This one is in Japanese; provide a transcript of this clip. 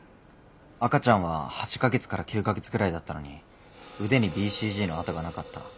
赤ちゃんは８か月から９か月くらいだったのに腕にＢＣＧの痕がなかった。